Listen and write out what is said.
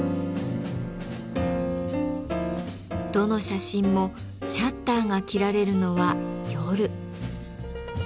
どの写真もシャッターが切られるのは夜。